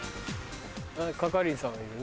係員さんがいるね。